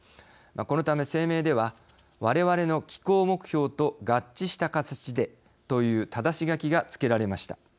このため声明ではわれわれの気候目標と合致した形でというただし書きが付けられました。